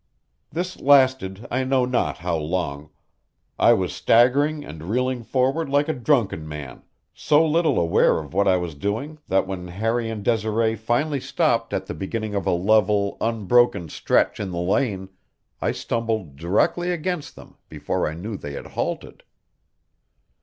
This lasted I know not how long; I was staggering and reeling forward like a drunken man, so little aware of what I was doing that when Harry and Desiree finally stopped at the beginning of a level, unbroken stretch in the lane, I stumbled directly against them before I knew they had halted.